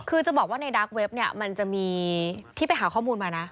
คือจะบอกว่าในดาร์กเว็บเนี่ยมันจะมีที่ไปหาข้อมูลมานะ